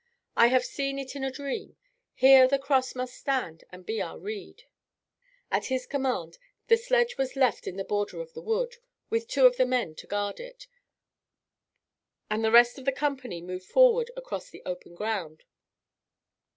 I have seen it in a dream. Here the cross must stand and be our rede." At his command the sledge was left in the border of the wood, with two of the men to guard it, and the rest of the company moved forward across the open ground.